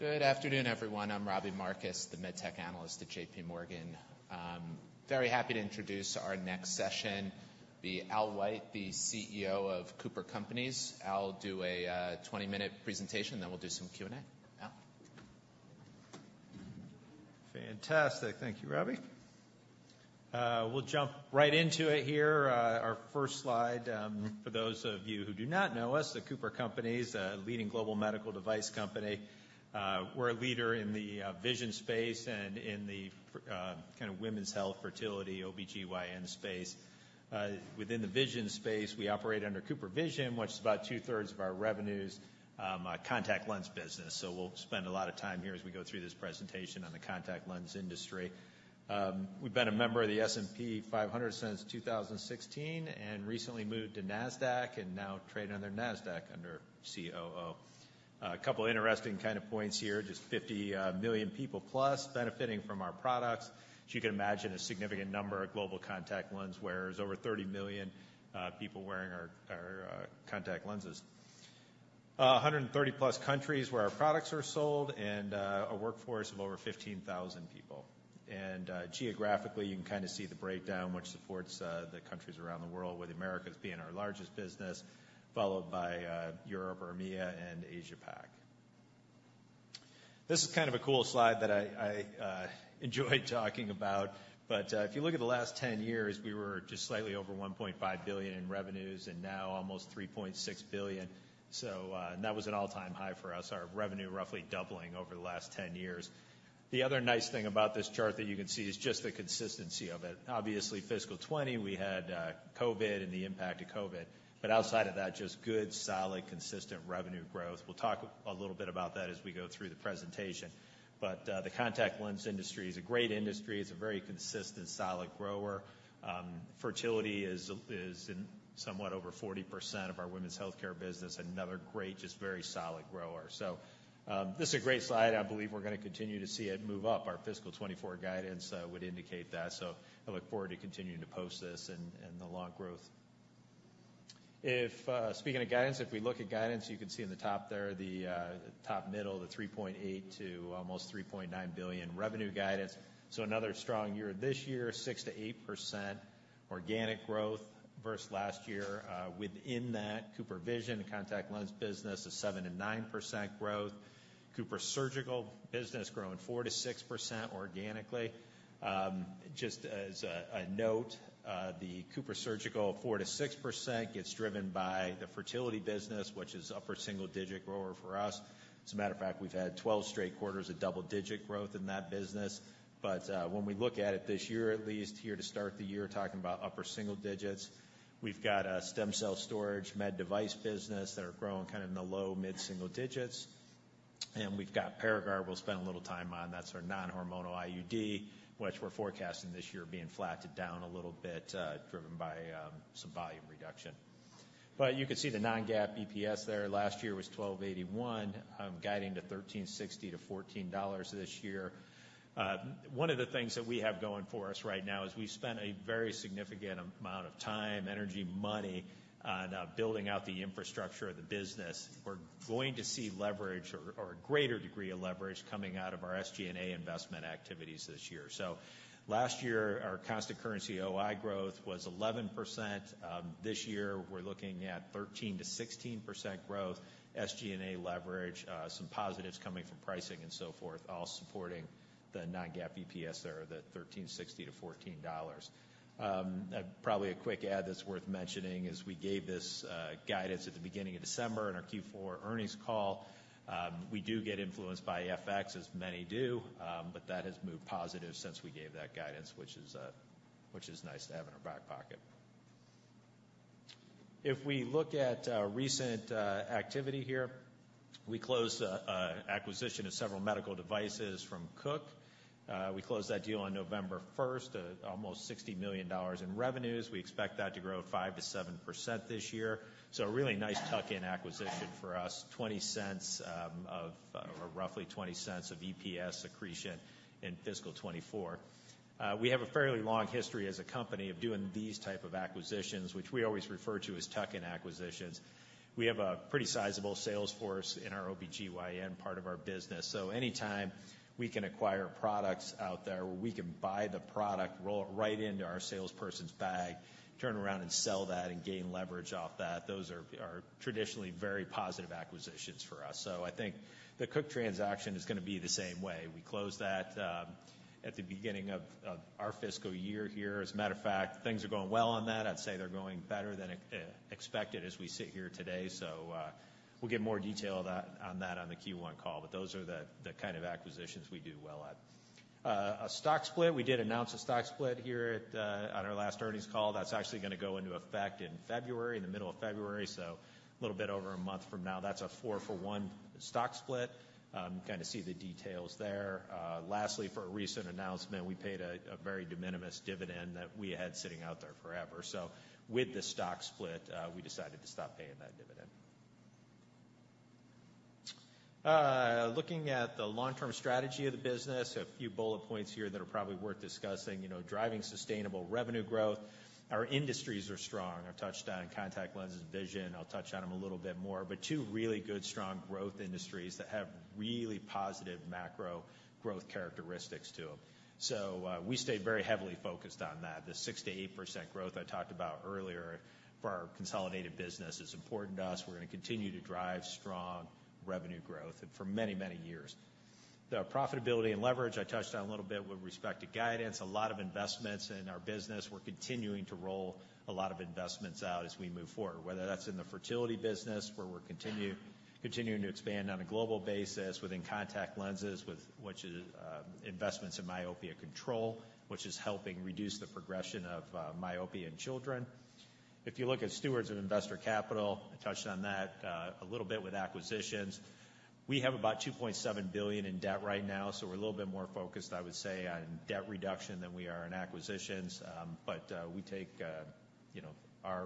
Good afternoon, everyone. I'm Robbie Marcus, the MedTech analyst at JPMorgan. Very happy to introduce our next session, the Al White, the CEO of CooperCompanies. Al will do a 20-minute presentation, then we'll do some Q&A. Al? Fantastic. Thank you, Robbie. We'll jump right into it here. Our first slide, for those of you who do not know us, the Cooper Companies, a leading global medical device company. We're a leader in the vision space and in the kind of women's health, fertility, OB-GYN space. Within the vision space, we operate under CooperVision, which is about 2/3 of our revenues, a contact lens business. So we'll spend a lot of time here as we go through this presentation on the contact lens industry. We've been a member of the S&P 500 since 2016, and recently moved to Nasdaq, and now trade under Nasdaq under COO. A couple of interesting kind of points here, just 50 million+ people benefiting from our products. So you can imagine a significant number of global contact lens wearers, over 30 million people wearing our contact lenses. 130+ countries where our products are sold and a workforce of over 15,000 people. And geographically, you can kind of see the breakdown, which supports the countries around the world, with Americas being our largest business, followed by Europe, or EMEA, and Asia Pac. This is kind of a cool slide that I enjoy talking about, but if you look at the last 10 years, we were just slightly over $1.5 billion in revenues and now almost $3.6 billion. So and that was an all-time high for us, our revenue roughly doubling over the last 10 years. The other nice thing about this chart that you can see is just the consistency of it. Obviously, fiscal 2020, we had COVID and the impact of COVID, but outside of that, just good, solid, consistent revenue growth. We'll talk a little bit about that as we go through the presentation. But the contact lens industry is a great industry. It's a very consistent, solid grower. Fertility is in somewhat over 40% of our women's healthcare business, another great, just very solid grower. So this is a great slide. I believe we're gonna continue to see it move up. Our fiscal 2024 guidance would indicate that, so I look forward to continuing to post this and the long growth. If, speaking of guidance, if we look at guidance, you can see in the top there, the, top middle, the $3.8 billion to almost $3.9 billion revenue guidance. So another strong year this year, 6%-8% organic growth versus last year. Within that, CooperVision, the contact lens business, a 7%-9% growth. CooperSurgical business growing 4%-6% organically. Just as a note, the CooperSurgical, 4%-6% gets driven by the fertility business, which is upper single digit grower for us. As a matter of fact, we've had 12 straight quarters of double-digit growth in that business. But, when we look at it this year, at least here to start the year, talking about upper single digits, we've got a stem cell storage med device business that are growing kind of in the low, mid-single digits. And we've got Paragard we'll spend a little time on. That's our non-hormonal IUD, which we're forecasting this year being flattened down a little bit, driven by some volume reduction. But you can see the non-GAAP EPS there. Last year was $12.81, guiding to $13.60-$14 this year. One of the things that we have going for us right now is we spent a very significant amount of time, energy, money on building out the infrastructure of the business. We're going to see leverage or a greater degree of leverage coming out of our SG&A investment activities this year. Last year, our constant currency OI growth was 11%. This year, we're looking at 13%-16% growth, SG&A leverage, some positives coming from pricing and so forth, all supporting the non-GAAP EPS there, the $13.60-$14. Probably a quick add that's worth mentioning is we gave this guidance at the beginning of December in our Q4 earnings call. We do get influenced by FX, as many do, but that has moved positive since we gave that guidance, which is nice to have in our back pocket. If we look at recent activity here, we closed an acquisition of several medical devices from Cook. We closed that deal on November first, at almost $60 million in revenues. We expect that to grow 5%-7% this year. So a really nice tuck-in acquisition for us, $0.20, or roughly $0.20 of EPS accretion in fiscal 2024. We have a fairly long history as a company of doing these type of acquisitions, which we always refer to as tuck-in acquisitions. We have a pretty sizable sales force in our OB-GYN part of our business. So anytime we can acquire products out there, where we can buy the product, roll it right into our salesperson's bag, turn around and sell that and gain leverage off that, those are traditionally very positive acquisitions for us. So I think the Cook transaction is gonna be the same way. We closed that at the beginning of our fiscal year here. As a matter of fact, things are going well on that. I'd say they're going better than expected as we sit here today. So, we'll give more detail on that, on the Q1 call, but those are the kind of acquisitions we do well at. A stock split. We did announce a stock split here at, on our last earnings call. That's actually gonna go into effect in February, in the middle of February, so a little bit over a month from now. That's a 4-for-1 stock split. You kind of see the details there. Lastly, for a recent announcement, we paid a very de minimis dividend that we had sitting out there forever. So with the stock split, we decided to stop paying that dividend. Looking at the long-term strategy of the business, a few bullet points here that are probably worth discussing. You know, driving sustainable revenue growth. Our industries are strong. I've touched on contact lenses, vision. I'll touch on them a little bit more, but two really good, strong growth industries that have really positive macro growth characteristics to them. So, we stayed very heavily focused on that. The 6%-8% growth I talked about earlier for our consolidated business is important to us. We're gonna continue to drive strong revenue growth, and for many, many years. The profitability and leverage, I touched on a little bit with respect to guidance, a lot of investments in our business. We're continuing to roll a lot of investments out as we move forward, whether that's in the fertility business, where we're continuing to expand on a global basis within contact lenses, with which is, investments in myopia control, which is helping reduce the progression of, myopia in children. If you look at stewards of investor capital, I touched on that, a little bit with acquisitions. We have about $2.7 billion in debt right now, so we're a little bit more focused, I would say, on debt reduction than we are in acquisitions. But we take, you know, our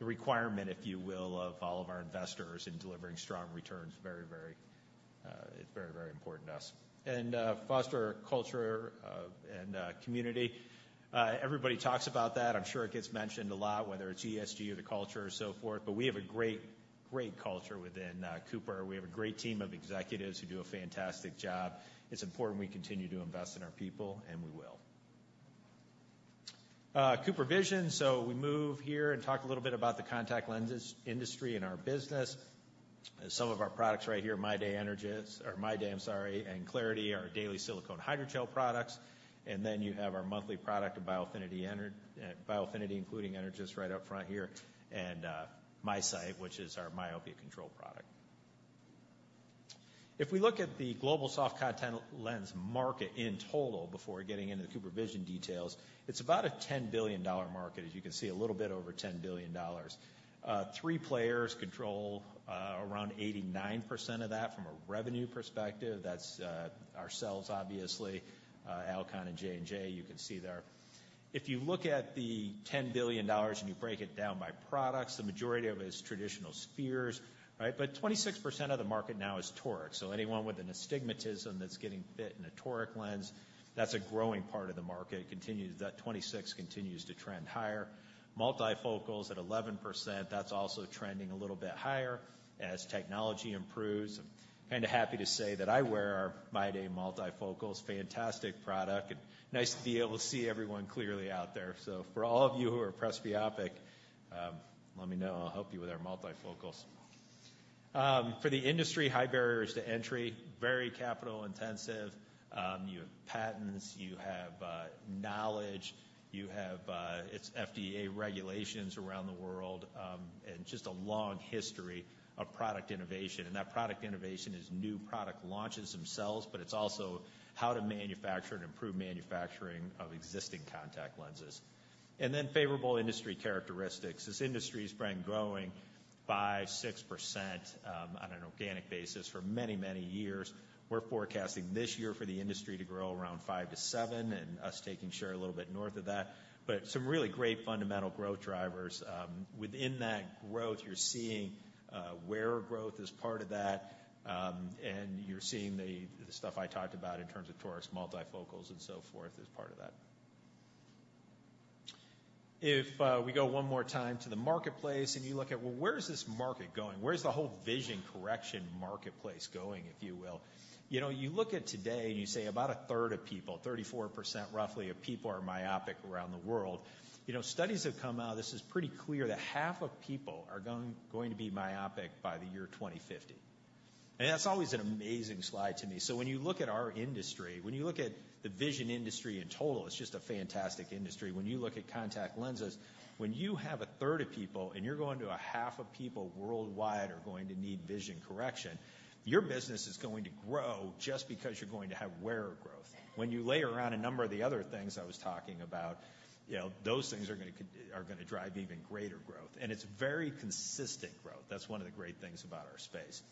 the requirement, if you will, of all of our investors in delivering strong returns very, very important to us. And foster culture and community. Everybody talks about that. I'm sure it gets mentioned a lot, whether it's ESG or the culture or so forth, but we have a great, great culture within Cooper. We have a great team of executives who do a fantastic job. It's important we continue to invest in our people, and we will. CooperVision, so we move here and talk a little bit about the contact lenses industry and our business. Some of our products right here, MyDay Energys, or MyDay, I'm sorry, and clariti, our daily silicone hydrogel products. And then you have our monthly product, Biofinity, including Energys, right up front here, and MiSight, which is our myopia control product. If we look at the global soft contact lens market in total, before getting into the CooperVision details, it's about a $10 billion market, as you can see, a little bit over $10 billion. Three players control around 89% of that from a revenue perspective. That's ourselves, obviously, Alcon and J&J, you can see there. If you look at the $10 billion and you break it down by products, the majority of it is traditional spheres, right? But 26% of the market now is toric. So anyone with an astigmatism that's getting fit in a toric lens, that's a growing part of the market. It continues. That 26 continues to trend higher. Multifocals at 11%, that's also trending a little bit higher as technology improves. And happy to say that I wear our MyDay multifocals, fantastic product, and nice to be able to see everyone clearly out there. So for all of you who are presbyopic, let me know. I'll help you with our multifocals. For the industry, high barriers to entry, very capital-intensive. You have patents, you have knowledge, you have it's FDA regulations around the world, and just a long history of product innovation. And that product innovation is new product launches themselves, but it's also how to manufacture and improve manufacturing of existing contact lenses. Then favorable industry characteristics. This industry's been growing by 6%, on an organic basis for many, many years. We're forecasting this year for the industry to grow around 5%-7%, and us taking share a little bit north of that, but some really great fundamental growth drivers. Within that growth, you're seeing where growth is part of that, and you're seeing the, the stuff I talked about in terms of Torics, Multifocals, and so forth, as part of that. If we go one more time to the marketplace, and you look at, well, where is this market going? Where's the whole vision correction marketplace going, if you will? You know, you look at today, and you say about a third of people, 34%, roughly, of people are myopic around the world. You know, studies have come out, this is pretty clear, that half of people are going to be myopic by the year 2050. That's always an amazing slide to me. When you look at our industry, when you look at the vision industry in total, it's just a fantastic industry. When you look at contact lenses, when you have a third of people, and you're going to a half of people worldwide are going to need vision correction, your business is going to grow just because you're going to have wearer growth. When you layer around a number of the other things I was talking about, you know, those things are gonna are gonna drive even greater growth, and it's very consistent growth. That's one of the great things about our space.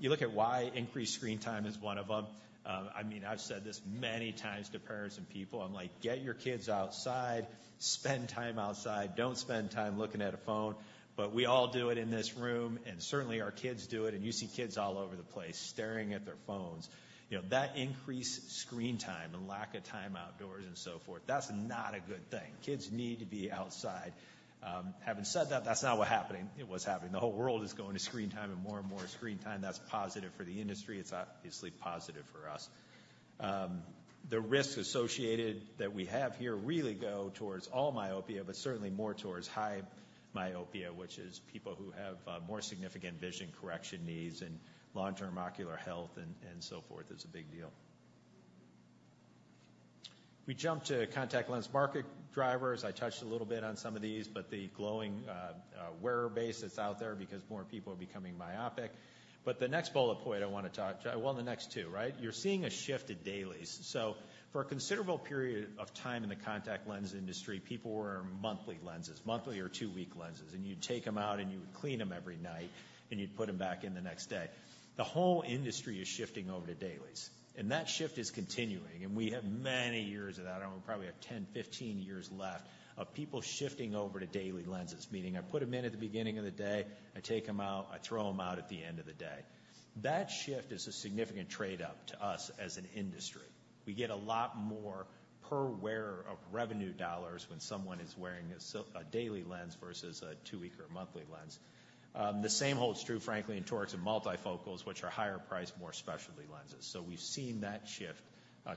You look at why increased screen time is one of them. I mean, I've said this many times to parents and people, I'm like: Get your kids outside. Spend time outside. Don't spend time looking at a phone. But we all do it in this room, and certainly, our kids do it, and you see kids all over the place staring at their phones. You know, that increased screen time and lack of time outdoors and so forth, that's not a good thing. Kids need to be outside. Having said that, that's not what's happening, what's happening. The whole world is going to screen time and more and more screen time. That's positive for the industry. It's obviously positive for us. The risks associated that we have here really go towards all myopia, but certainly more towards high myopia, which is people who have more significant vision correction needs and long-term ocular health and so forth, is a big deal. We jump to contact lens market drivers. I touched a little bit on some of these, but the growing wearer base that's out there because more people are becoming myopic. But the next bullet point I wanna talk to. Well, the next two, right? You're seeing a shift to dailies. So for a considerable period of time in the contact lens industry, people wore monthly lenses, monthly or two-week lenses, and you'd take them out, and you would clean them every night, and you'd put them back in the next day. The whole industry is shifting over to dailies, and that shift is continuing, and we have many years of that. I don't know, probably have 10, 15 years left of people shifting over to daily lenses, meaning I put them in at the beginning of the day, I take them out, I throw them out at the end of the day. That shift is a significant trade-up to us as an industry.... We get a lot more per wearer of revenue dollars when someone is wearing a daily lens versus a two-week or monthly lens. The same holds true, frankly, in torics and multifocals, which are higher priced, more specialty lenses. So we've seen that shift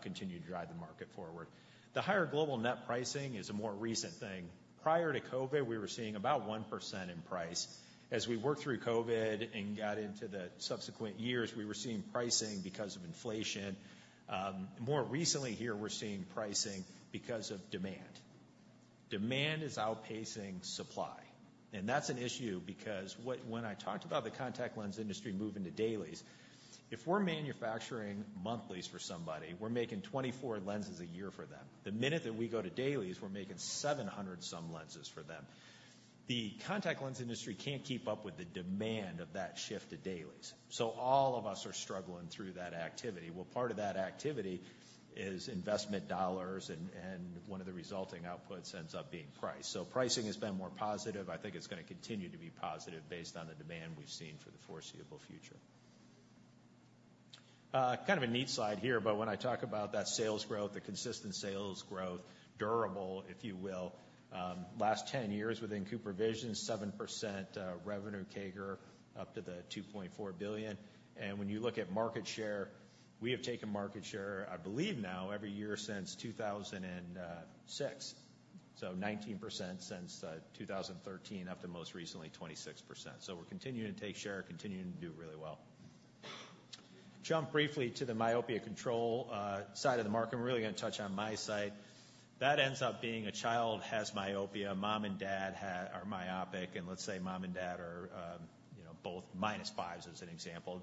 continue to drive the market forward. The higher global net pricing is a more recent thing. Prior to COVID, we were seeing about 1% in price. As we worked through COVID and got into the subsequent years, we were seeing pricing because of inflation. More recently here, we're seeing pricing because of demand. Demand is outpacing supply, and that's an issue because what, when I talked about the contact lens industry moving to dailies, if we're manufacturing monthlies for somebody, we're making 24 lenses a year for them. The minute that we go to dailies, we're making 700-some lenses for them. The contact lens industry can't keep up with the demand of that shift to dailies, so all of us are struggling through that activity. Well, part of that activity is investment dollars, and one of the resulting outputs ends up being price. So pricing has been more positive. I think it's gonna continue to be positive based on the demand we've seen for the foreseeable future. Kind of a neat slide here, but when I talk about that sales growth, the consistent sales growth, durable, if you will. Last 10 years within CooperVision, 7% revenue CAGR up to the $2.4 billion. And when you look at market share, we have taken market share, I believe now, every year since 2006. So 19% since 2013, up to most recently, 26%. So we're continuing to take share, continuing to do really well. Jump briefly to the myopia control side of the market, and we're really gonna touch on MiSight. That ends up being a child has myopia, mom and dad are myopic, and let's say mom and dad are, you know, both minus fives, as an example.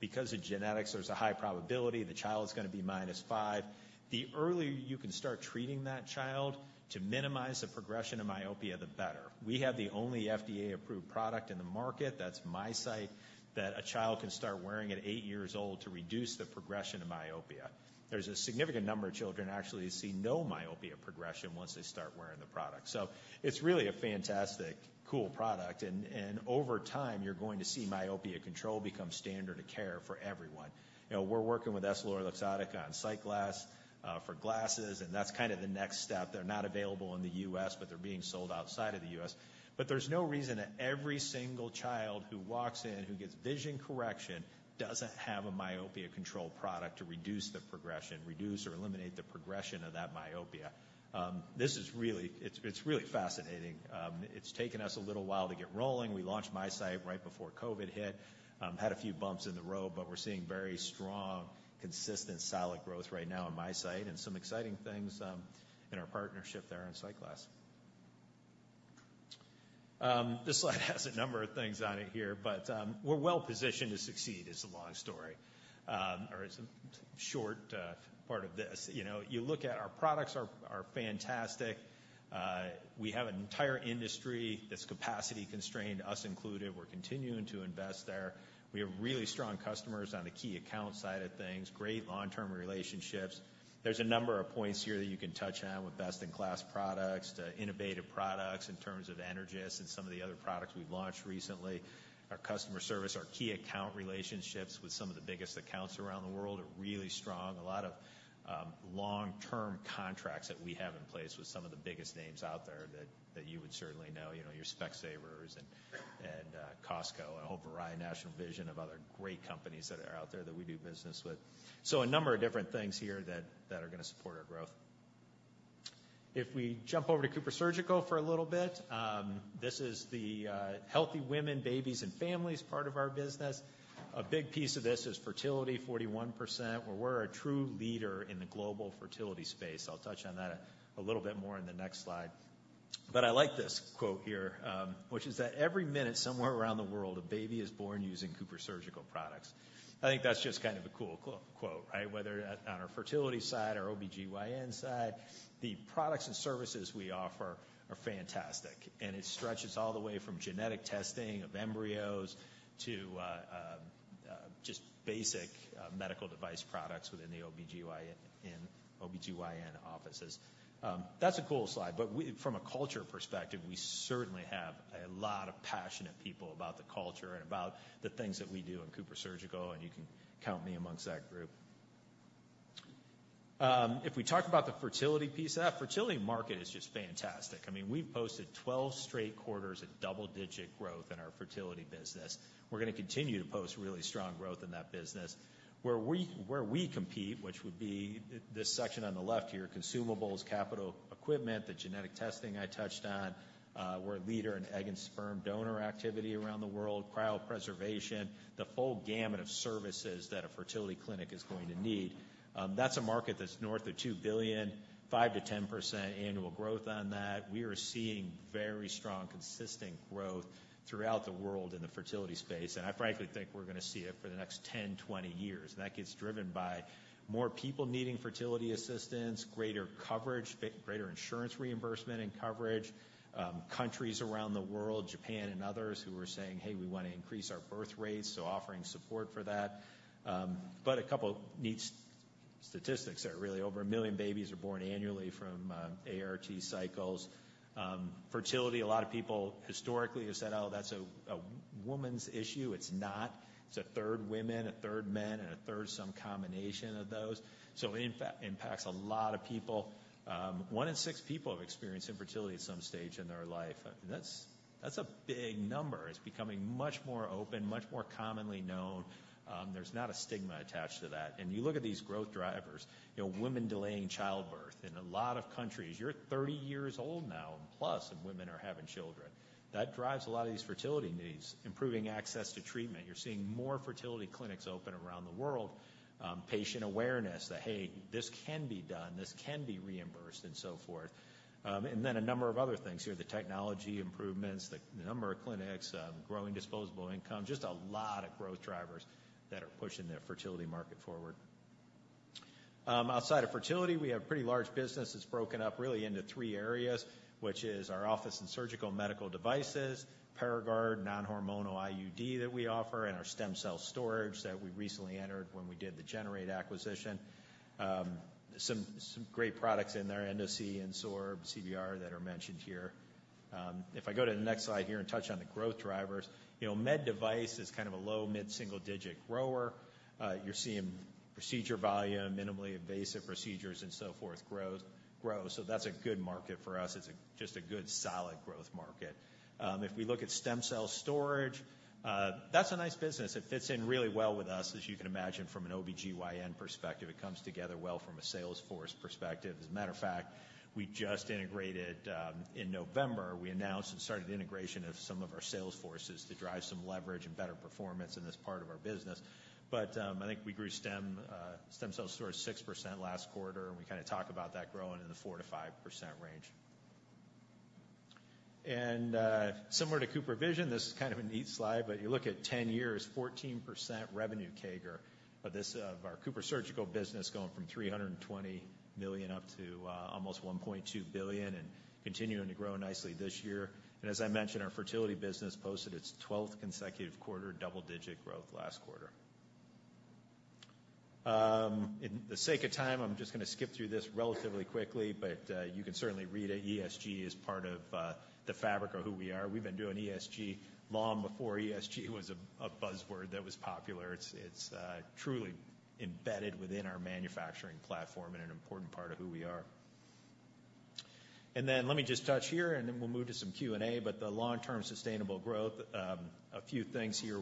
Because of genetics, there's a high probability the child is gonna be -5. The earlier you can start treating that child to minimize the progression of myopia, the better. We have the only FDA-approved product in the market. That's MiSight, that a child can start wearing at eight years old to reduce the progression of myopia. There's a significant number of children actually see no myopia progression once they start wearing the product. So it's really a fantastic, cool product, and, and over time, you're going to see myopia control become standard of care for everyone. You know, we're working with EssilorLuxottica on SightGlass for glasses, and that's kind of the next step. They're not available in the U.S., but they're being sold outside of the U.S. But there's no reason that every single child who walks in, who gets vision correction, doesn't have a myopia control product to reduce the progression, reduce or eliminate the progression of that myopia. This is really. It's really fascinating. It's taken us a little while to get rolling. We launched MiSight right before COVID hit. Had a few bumps in the road, but we're seeing very strong, consistent, solid growth right now in MiSight and some exciting things in our partnership there in SightGlass. This slide has a number of things on it here, but we're well-positioned to succeed, is the long story. Or it's a short part of this. You know, you look at our products are fantastic. We have an entire industry that's capacity constrained, us included. We're continuing to invest there. We have really strong customers on the key account side of things, great long-term relationships. There's a number of points here that you can touch on with best-in-class products to innovative products in terms of Energys and some of the other products we've launched recently. Our customer service, our key account relationships with some of the biggest accounts around the world are really strong. A lot of long-term contracts that we have in place with some of the biggest names out there that you would certainly know, you know, your Specsavers and Costco, and a whole variety, National Vision, of other great companies that are out there that we do business with. So a number of different things here that are gonna support our growth. If we jump over to CooperSurgical for a little bit, this is the healthy women, babies, and families part of our business. A big piece of this is fertility, 41%, where we're a true leader in the global fertility space. I'll touch on that a little bit more in the next slide. But I like this quote here, which is that, "Every minute somewhere around the world, a baby is born using CooperSurgical products." I think that's just kind of a cool quote, right? Whether at, on our fertility side or OB-GYN side, the products and services we offer are fantastic, and it stretches all the way from genetic testing of embryos to just basic medical device products within the OB-GYN offices. That's a cool slide, but we from a culture perspective, we certainly have a lot of passionate people about the culture and about the things that we do in CooperSurgical, and you can count me amongst that group. If we talk about the fertility piece, that fertility market is just fantastic. I mean, we've posted 12 straight quarters of double-digit growth in our fertility business. We're gonna continue to post really strong growth in that business. Where we compete, which would be this section on the left here, consumables, capital equipment, the genetic testing I touched on. We're a leader in egg and sperm donor activity around the world, cryopreservation, the full gamut of services that a fertility clinic is going to need. That's a market that's north of $2 billion, 5%-10% annual growth on that. We are seeing very strong, consistent growth throughout the world in the fertility space, and I frankly think we're gonna see it for the next 10, 20 years. That gets driven by more people needing fertility assistance, greater coverage, greater insurance reimbursement and coverage, countries around the world, Japan and others, who are saying, "Hey, we want to increase our birth rates," so offering support for that. But a couple neat statistics are really over 1 million babies are born annually from ART cycles. Fertility, a lot of people historically have said, "Oh, that's a woman's issue." It's not. It's a third women, a third men, and a third some combination of those. So it impacts a lot of people. One in six people have experienced infertility at some stage in their life. That's a big number. It's becoming much more open, much more commonly known. There's not a stigma attached to that. You look at these growth drivers, you know, women delaying childbirth. In a lot of countries, you're 30 years+ old now, and women are having children. That drives a lot of these fertility needs. Improving access to treatment, you're seeing more fertility clinics open around the world. Patient awareness that, "Hey, this can be done. This can be reimbursed," and so forth. And then a number of other things here, the technology improvements, the number of clinics, growing disposable income, just a lot of growth drivers that are pushing the fertility market forward. Outside of fertility, we have pretty large businesses broken up really into three areas, which is our office in surgical medical devices, Paragard, non-hormonal IUD that we offer, and our stem cell storage that we recently entered when we did the Generate acquisition. Some great products in there, Endosee and Insorb, CBR, that are mentioned here. If I go to the next slide here and touch on the growth drivers, you know, med device is kind of a low, mid-single digit grower. You're seeing procedure volume, minimally invasive procedures, and so forth, grow. So that's a good market for us. It's just a good, solid growth market. If we look at stem cell storage, that's a nice business. It fits in really well with us, as you can imagine, from an OB-GYN perspective. It comes together well from a sales force perspective. As a matter of fact, we just integrated. In November, we announced and started the integration of some of our sales forces to drive some leverage and better performance in this part of our business. But I think we grew stem cell storage 6% last quarter, and we kinda talk about that growing in the 4%-5% range. Similar to CooperVision, this is kind of a neat slide, but you look at 10 years, 14% revenue CAGR of this, of our CooperSurgical business, going from $320 million up to almost $1.2 billion, and continuing to grow nicely this year. As I mentioned, our fertility business posted its twelfth consecutive quarter double-digit growth last quarter. In the sake of time, I'm just gonna skip through this relatively quickly, but you can certainly read it. ESG is part of the fabric of who we are. We've been doing ESG long before ESG was a buzzword that was popular. It's truly embedded within our manufacturing platform and an important part of who we are. And then let me just touch here, and then we'll move to some Q&A. But the long-term sustainable growth, a few things here.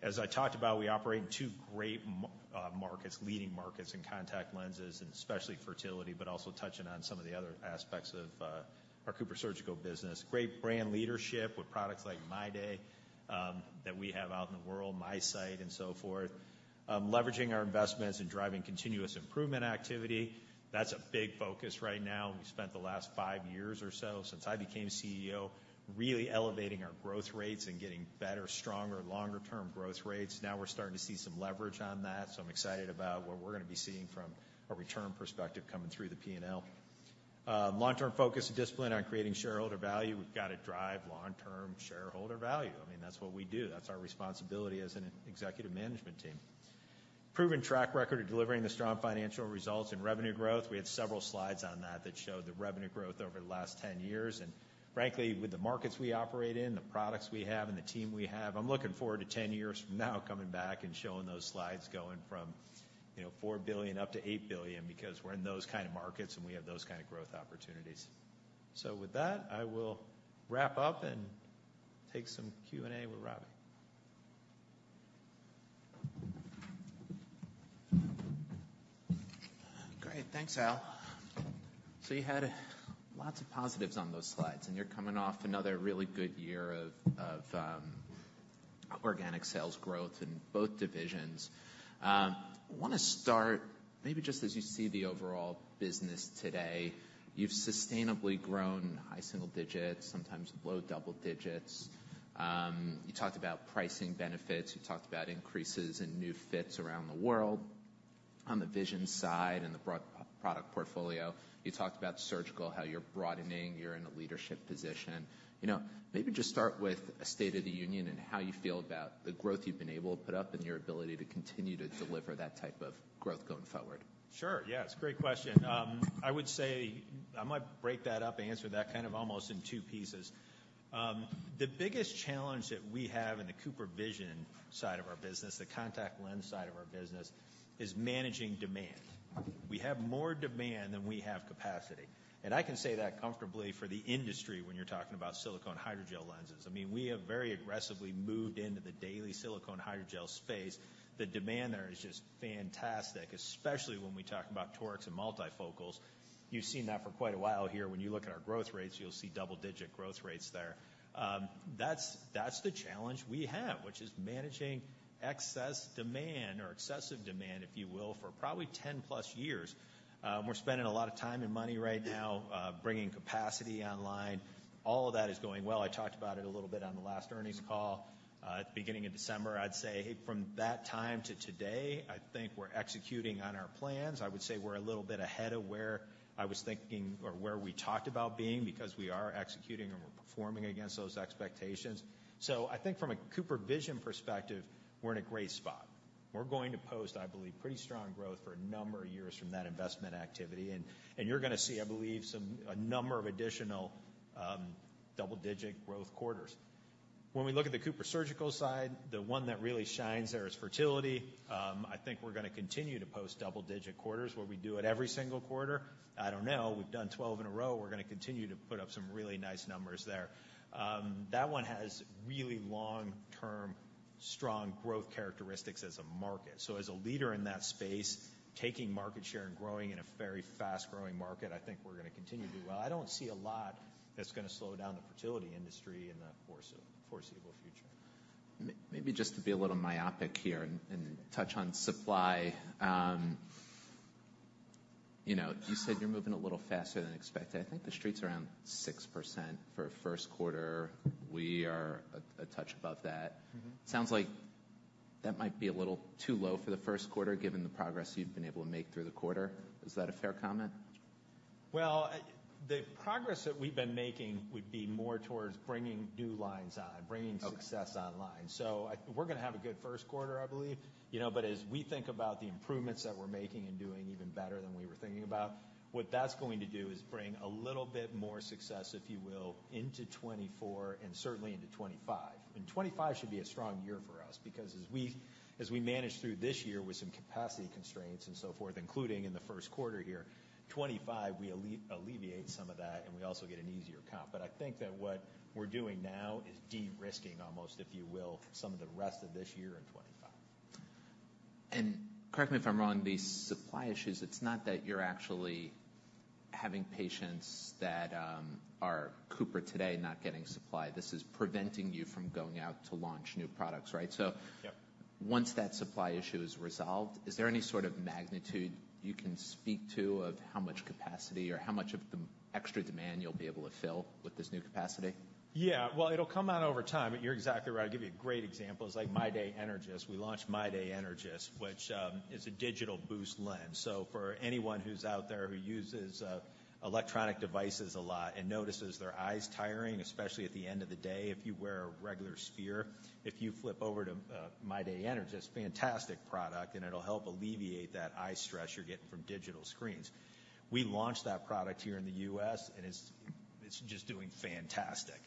As I talked about, we operate in two great markets, leading markets, in contact lenses and especially fertility, but also touching on some of the other aspects of our CooperSurgical business. Great brand leadership with products like MyDay that we have out in the world, MiSight, and so forth. Leveraging our investments and driving continuous improvement activity, that's a big focus right now. We spent the last five years or so, since I became CEO, really elevating our growth rates and getting better, stronger, longer-term growth rates. Now we're starting to see some leverage on that, so I'm excited about what we're gonna be seeing from a return perspective coming through the P&L. Long-term focus and discipline on creating shareholder value. We've gotta drive long-term shareholder value. I mean, that's what we do. That's our responsibility as an executive management team. Proven track record of delivering the strong financial results and revenue growth. We had several slides on that, that showed the revenue growth over the last 10 years. Frankly, with the markets we operate in, the products we have, and the team we have, I'm looking forward to 10 years from now, coming back and showing those slides, going from, you know, $4 billion-$8 billion, because we're in those kind of markets, and we have those kind of growth opportunities. So with that, I will wrap up and take some Q&A with Robbie. Great. Thanks, Al. So you had lots of positives on those slides, and you're coming off another really good year of organic sales growth in both divisions. I wanna start maybe just as you see the overall business today. You've sustainably grown high single digits, sometimes low double digits. You talked about pricing benefits. You talked about increases in new fits around the world on the vision side and the broad product portfolio. You talked about surgical, how you're broadening. You're in a leadership position. You know, maybe just start with a state of the union and how you feel about the growth you've been able to put up and your ability to continue to deliver that type of growth going forward. Sure. Yeah, it's a great question. I would say... I might break that up and answer that kind of almost in two pieces. The biggest challenge that we have in the CooperVision side of our business, the contact lens side of our business, is managing demand. We have more demand than we have capacity, and I can say that comfortably for the industry when you're talking about silicone hydrogel lenses. I mean, we have very aggressively moved into the daily silicone hydrogel space. The demand there is just fantastic, especially when we talk about torics and multifocals. You've seen that for quite a while here. When you look at our growth rates, you'll see double-digit growth rates there. That's, that's the challenge we have, which is managing excess demand or excessive demand, if you will, for probably 10+ years. We're spending a lot of time and money right now, bringing capacity online. All of that is going well. I talked about it a little bit on the last earnings call, at the beginning of December. I'd say from that time to today, I think we're executing on our plans. I would say we're a little bit ahead of where I was thinking or where we talked about being, because we are executing, and we're performing against those expectations. So I think from a CooperVision perspective, we're in a great spot. We're going to post, I believe, pretty strong growth for a number of years from that investment activity, and, and you're gonna see, I believe, some a number of additional double-digit growth quarters. When we look at the CooperSurgical side, the one that really shines there is fertility. I think we're gonna continue to post double-digit quarters. Will we do it every single quarter? I don't know. We've done 12 in a row. We're gonna continue to put up some really nice numbers there. That one has really long-term, strong growth characteristics as a market. So as a leader in that space, taking market share and growing in a very fast-growing market, I think we're gonna continue to do well. I don't see a lot that's gonna slow down the fertility industry in the foreseeable future. Maybe just to be a little myopic here and touch on supply. You know, you said you're moving a little faster than expected. I think the Street's around 6% for a first quarter. We are a touch above that. Mm-hmm. Sounds like that might be a little too low for the first quarter, given the progress you've been able to make through the quarter. Is that a fair comment? Well, the progress that we've been making would be more towards bringing new lines on- Okay. bringing success online. So we're gonna have a good first quarter, I believe. You know, but as we think about the improvements that we're making and doing even better than we were thinking about, what that's going to do is bring a little bit more success, if you will, into 2024, and certainly into 2025. And 2025 should be a strong year for us because as we manage through this year with some capacity constraints and so forth, including in the first quarter here, 2025, we alleviate some of that, and we also get an easier count. But I think that what we're doing now is de-risking almost, if you will, some of the rest of this year and 2025. Correct me if I'm wrong, the supply issues, it's not that you're actually having patients that are Cooper today not getting supply. This is preventing you from going out to launch new products, right? So- Yep. Once that supply issue is resolved, is there any sort of magnitude you can speak to of how much capacity or how much of the extra demand you'll be able to fill with this new capacity? Yeah. Well, it'll come out over time, but you're exactly right. I'll give you a great example is, like, MyDay Energys. We launched MyDay Energys, which is a digital boost lens. So for anyone who's out there who uses electronic devices a lot and notices their eyes tiring, especially at the end of the day, if you wear a regular sphere, if you flip over to MyDay Energys, it's a fantastic product, and it'll help alleviate that eye strain you're getting from digital screens. We launched that product here in the U.S., and it's just doing fantastic.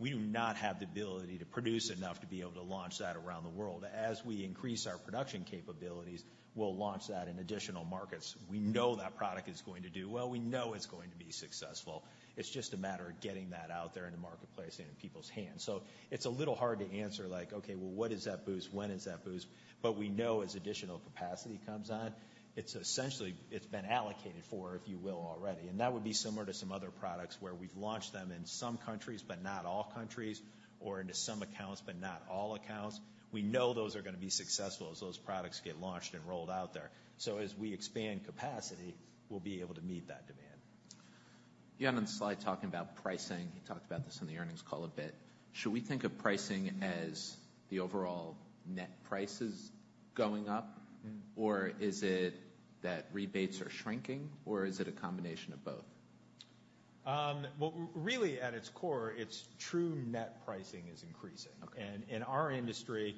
We do not have the ability to produce enough to be able to launch that around the world. As we increase our production capabilities, we'll launch that in additional markets. We know that product is going to do well. We know it's going to be successful. It's just a matter of getting that out there in the marketplace and in people's hands. So it's a little hard to answer like, "Okay, well, what is that boost? When is that boost?" But we know as additional capacity comes on, it's essentially, it's been allocated for, if you will, already. And that would be similar to some other products, where we've launched them in some countries, but not all countries, or into some accounts, but not all accounts. We know those are gonna be successful as those products get launched and rolled out there. So as we expand capacity, we'll be able to meet that demand. You had on the slide talking about pricing. You talked about this in the earnings call a bit. Should we think of pricing as the overall net prices going up? Mm-hmm. Or is it that rebates are shrinking, or is it a combination of both? Well, really, at its core, it's true net pricing is increasing. Okay. In our industry,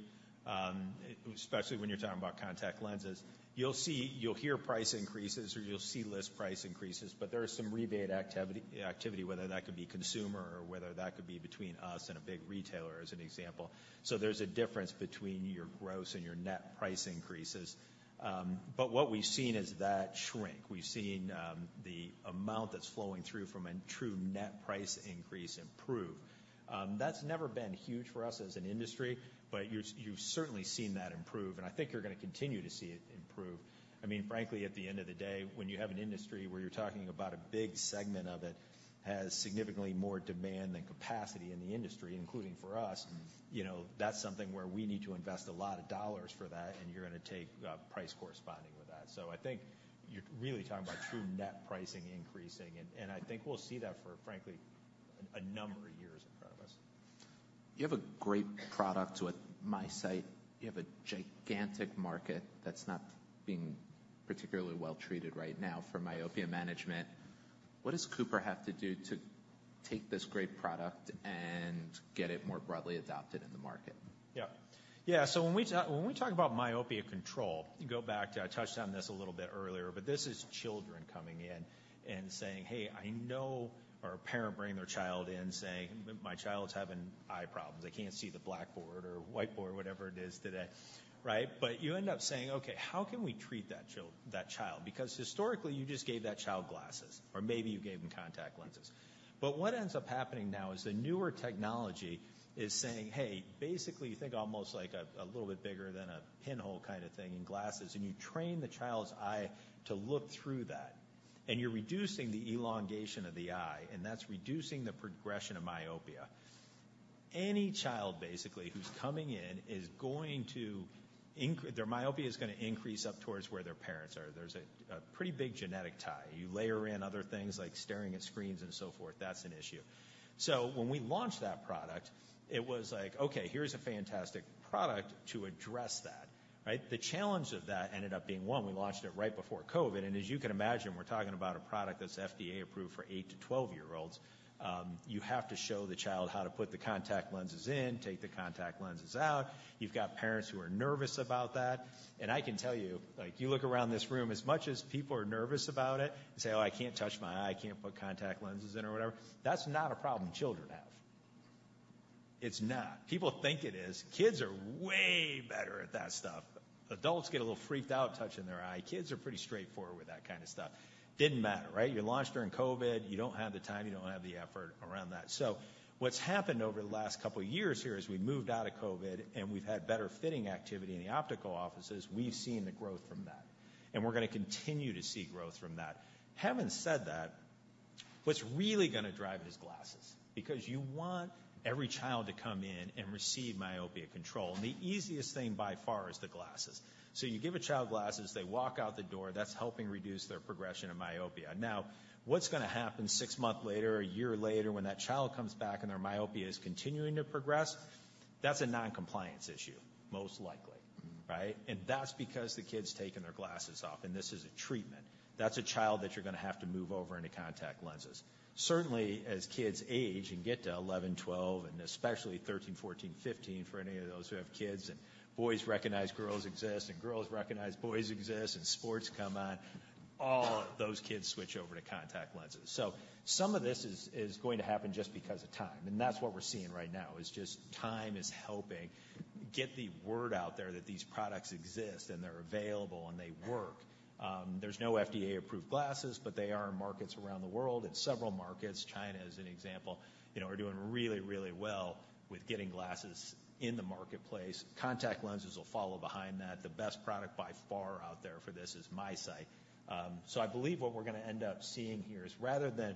especially when you're talking about contact lenses, you'll see, you'll hear price increases or you'll see list price increases, but there is some rebate activity, whether that could be consumer or whether that could be between us and a big retailer, as an example. So there's a difference between your gross and your net price increases. But what we've seen is that shrink. We've seen the amount that's flowing through from a true net price increase improve. That's never been huge for us as an industry, but you've certainly seen that improve, and I think you're gonna continue to see it improve. I mean, frankly, at the end of the day, when you have an industry where you're talking about a big segment of it, has significantly more demand than capacity in the industry, including for us- Mm. You know, that's something where we need to invest a lot of dollars for that, and you're gonna take price corresponding with that. So I think you're really talking about true net pricing increasing, and I think we'll see that for, frankly, a number of years in front of us. You have a great product with MiSight. You have a gigantic market that's not being particularly well-treated right now for myopia management. What does Cooper have to do to take this great product and get it more broadly adopted in the market? Yeah. Yeah, so when we talk about myopia control, you go back to... I touched on this a little bit earlier, but this is children coming in and saying, "Hey, I know..." Or a parent bringing their child in saying, "My child's having eye problems. They can't see the blackboard or whiteboard," whatever it is today, right? But you end up saying: Okay, how can we treat that child? Because historically, you just gave that child glasses or maybe you gave them contact lenses. But what ends up happening now is the newer technology is saying, "Hey," basically, you think almost like a, a little bit bigger than a pinhole kind of thing in glasses, and you train the child's eye to look through that, and you're reducing the elongation of the eye, and that's reducing the progression of myopia. Any child, basically, who's coming in, their myopia is gonna increase up towards where their parents are. There's a pretty big genetic tie. You layer in other things like staring at screens and so forth. That's an issue. So when we launched that product, it was like, okay, here's a fantastic product to address that. Right? The challenge of that ended up being, one, we launched it right before COVID, and as you can imagine, we're talking about a product that's FDA approved for 8-12-year-olds. You have to show the child how to put the contact lenses in, take the contact lenses out. You've got parents who are nervous about that. And I can tell you, like, you look around this room, as much as people are nervous about it and say, "Oh, I can't touch my eye. I can't put contact lenses in," or whatever, that's not a problem children have. It's not. People think it is. Kids are way better at that stuff. Adults get a little freaked out touching their eye. Kids are pretty straightforward with that kind of stuff. Didn't matter, right? You launch during COVID, you don't have the time, you don't have the effort around that. So what's happened over the last couple years here is we moved out of COVID, and we've had better fitting activity in the optical offices. We've seen the growth from that, and we're gonna continue to see growth from that. Having said that, what's really gonna drive it is glasses, because you want every child to come in and receive myopia control, and the easiest thing by far is the glasses. So you give a child glasses, they walk out the door, that's helping reduce their progression of myopia. Now, what's gonna happen six months later or a year later, when that child comes back and their myopia is continuing to progress? That's a non-compliance issue, most likely, right? Mm-hmm. That's because the kid's taking their glasses off, and this is a treatment. That's a child that you're gonna have to move over into contact lenses. Certainly, as kids age and get to 11, 12, and especially 13, 14, 15, for any of those who have kids, and boys recognize girls exist, and girls recognize boys exist, and sports come on, all those kids switch over to contact lenses. So some of this is going to happen just because of time, and that's what we're seeing right now, is just time is helping get the word out there that these products exist, and they're available, and they work. There's no FDA-approved glasses, but they are in markets around the world. In several markets, China as an example, you know, are doing really, really well with getting glasses in the marketplace. Contact lenses will follow behind that. The best product by far out there for this is MiSight. So I believe what we're gonna end up seeing here is, rather than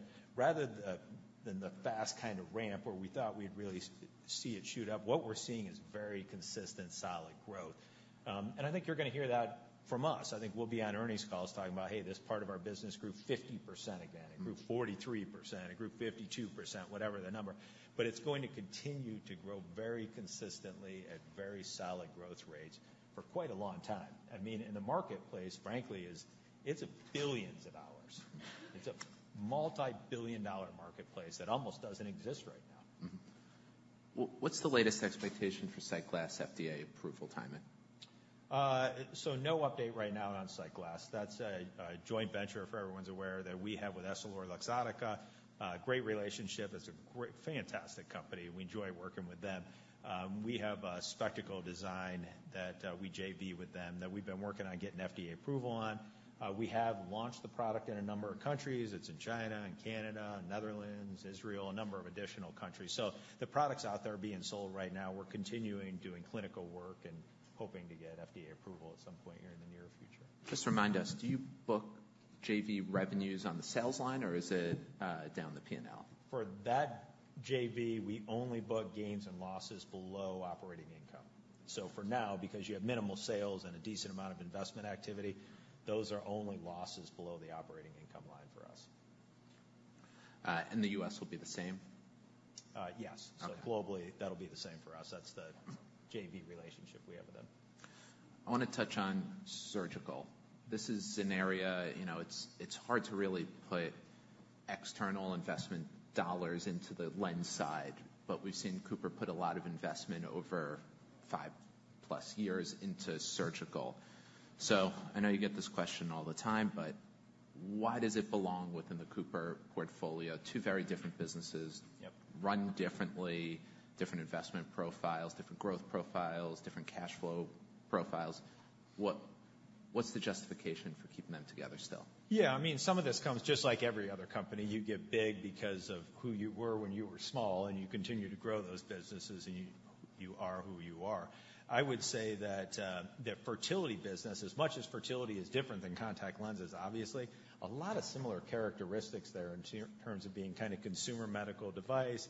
the fast kind of ramp where we thought we'd really see it shoot up, what we're seeing is very consistent, solid growth. And I think you're gonna hear that from us. I think we'll be on earnings calls talking about, "Hey, this part of our business grew 50% again. It grew 43%. It grew 52%," whatever the number. But it's going to continue to grow very consistently at very solid growth rates for quite a long time. I mean, the marketplace, frankly, is. It's billions of dollars. It's a multi-billion-dollar marketplace that almost doesn't exist right now. Mm-hmm. Well, what's the latest expectation for SightGlass FDA approval timing? So no update right now on SightGlass. That's a joint venture, if everyone's aware, that we have with EssilorLuxottica. Great relationship. It's a great, fantastic company, and we enjoy working with them. We have a spectacle design that we JV with them, that we've been working on getting FDA approval on. We have launched the product in a number of countries. It's in China, in Canada, Netherlands, Israel, a number of additional countries. So the product's out there being sold right now. We're continuing doing clinical work and hoping to get FDA approval at some point here in the near future. Just remind us, do you book JV revenues on the sales line, or is it down the P&L? For that JV, we only book gains and losses below operating income. So for now, because you have minimal sales and a decent amount of investment activity, those are only losses below the operating income line for us. The U.S. will be the same? Uh, yes. Okay. Globally, that'll be the same for us. That's the JV relationship we have with them. I wanna touch on surgical. This is an area, you know, it's hard to really put external investment dollars into the lens side, but we've seen Cooper put a lot of investment over 5+ years into surgical. So I know you get this question all the time, but why does it belong within the Cooper portfolio? Two very different businesses- Yep. run differently, different investment profiles, different growth profiles, different cash flow profiles. What, what's the justification for keeping them together still? Yeah, I mean, some of this comes just like every other company. You get big because of who you were when you were small, and you continue to grow those businesses, and you are who you are. I would say that the fertility business, as much as fertility is different than contact lenses, obviously, a lot of similar characteristics there in terms of being kind of consumer medical device,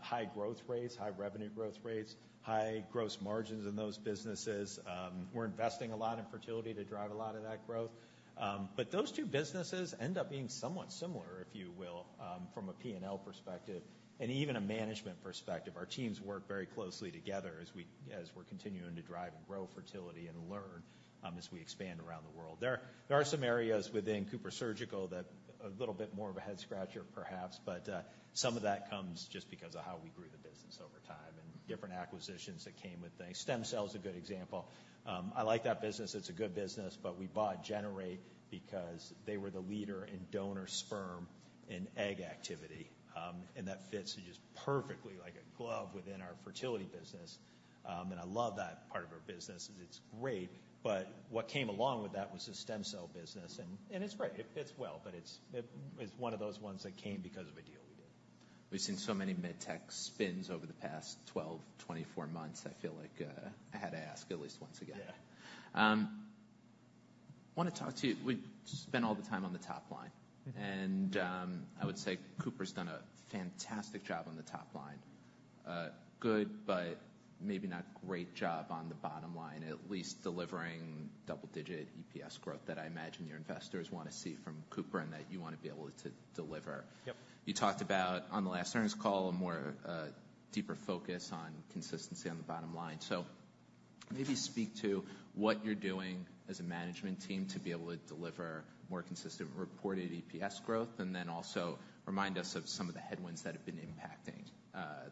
high growth rates, high revenue growth rates, high gross margins in those businesses. We're investing a lot in fertility to drive a lot of that growth. But those two businesses end up being somewhat similar, if you will, from a P&L perspective and even a management perspective. Our teams work very closely together as we're continuing to drive and grow fertility and learn as we expand around the world. There are some areas within CooperSurgical that are a little bit more of a head-scratcher, perhaps, but some of that comes just because of how we grew the business over time and different acquisitions that came with things. Stem cells is a good example. I like that business. It's a good business, but we bought Generate because they were the leader in donor sperm and egg activity, and that fits just perfectly like a glove within our fertility business. And I love that part of our business, as it's great, but what came along with that was the stem cell business, and it's great. It fits well, but it is one of those ones that came because of a deal we did. We've seen so many medtech spins over the past 12, 24 months. I feel like, I had to ask at least once again. Yeah. I wanna talk to you... We've spent all the time on the top line, and, I would say Cooper's done a fantastic job on the top line. Good, but maybe not great job on the bottom line, at least delivering double-digit EPS growth that I imagine your investors wanna see from Cooper and that you want to be able to, to deliver. Yep. You talked about, on the last earnings call, a more deeper focus on consistency on the bottom line. Maybe speak to what you're doing as a management team to be able to deliver more consistent reported EPS growth, and then also remind us of some of the headwinds that have been impacting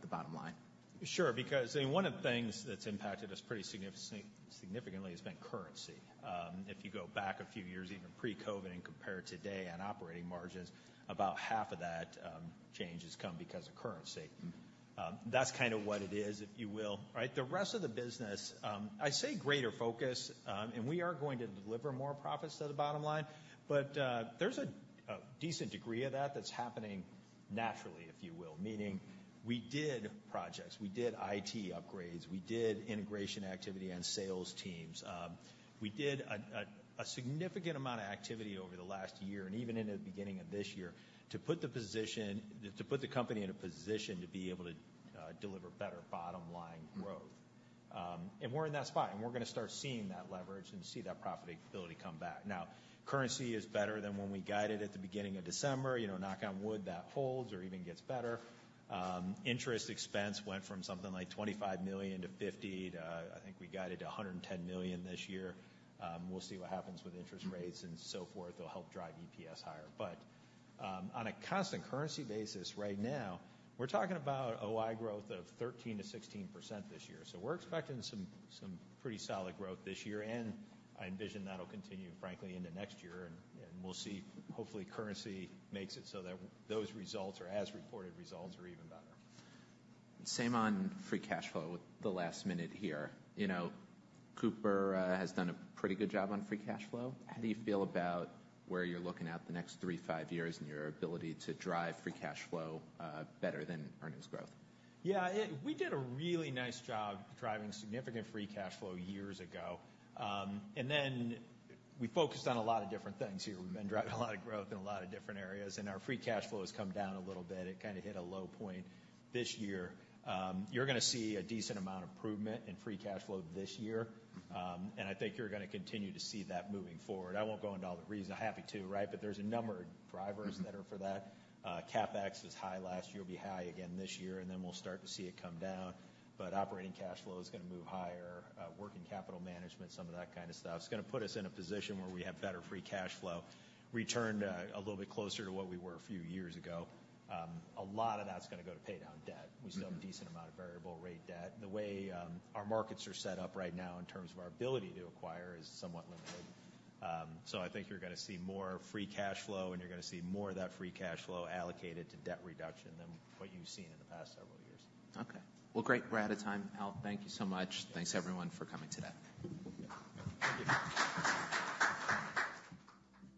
the bottom line. Sure, because one of the things that's impacted us pretty significantly has been currency. If you go back a few years, even pre-COVID, and compare today on operating margins, about half of that change has come because of currency. That's kind of what it is, if you will, right? The rest of the business, I'd say greater focus, and we are going to deliver more profits to the bottom line. But there's a decent degree of that that's happening naturally, if you will, meaning we did projects, we did IT upgrades, we did integration activity on sales teams. We did a significant amount of activity over the last year and even into the beginning of this year, to put the company in a position to be able to deliver better bottom-line growth. We're in that spot, and we're gonna start seeing that leverage and see that profitability come back. Now, currency is better than when we guided at the beginning of December. You know, knock on wood, that holds or even gets better. Interest expense went from something like $25 million to $50 million to, I think we guided to $110 million this year. We'll see what happens with interest rates, and so forth, that'll help drive EPS higher. But, on a constant currency basis, right now, we're talking about OI growth of 13%-16% this year. So we're expecting some pretty solid growth this year, and I envision that'll continue, frankly, into next year, and we'll see. Hopefully, currency makes it so that those results, or as reported results, are even better. Same on free cash flow, the last minute here. You know, Cooper has done a pretty good job on free cash flow. How do you feel about where you're looking at the next three to five years and your ability to drive free cash flow better than earnings growth? Yeah, we did a really nice job driving significant Free Cash Flow years ago. And then we focused on a lot of different things here. We've been driving a lot of growth in a lot of different areas, and our Free Cash Flow has come down a little bit. It kind of hit a low point this year. You're gonna see a decent amount of improvement in Free Cash Flow this year, and I think you're gonna continue to see that moving forward. I won't go into all the reasons. I'm happy to, right? But there's a number of drivers that are for that. CapEx was high last year, will be high again this year, and then we'll start to see it come down. But operating cash flow is gonna move higher, working capital management, some of that kind of stuff. It's gonna put us in a position where we have better free cash flow, return to a little bit closer to what we were a few years ago. A lot of that's gonna go to pay down debt. Mm-hmm. We still have a decent amount of variable rate debt. The way our markets are set up right now, in terms of our ability to acquire, is somewhat limited. So I think you're gonna see more free cash flow, and you're gonna see more of that free cash flow allocated to debt reduction than what you've seen in the past several years. Okay. Well, great. We're out of time. Al, thank you so much. Thanks, everyone, for coming today. Thank you.